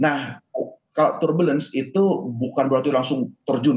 nah kalau turbulensi itu bukan berarti langsung terjun